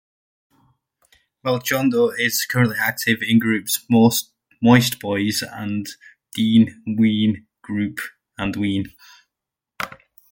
Melchiondo is currently active in the groups Moistboyz, The Dean Ween Group and Ween.